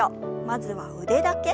まずは腕だけ。